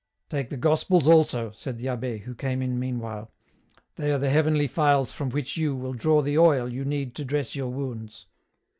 '* Take the Gospels also," said the abbe, who came in meanwhile ;" they are the heavenly phials from which you will draw the oil you need to dress your wounds."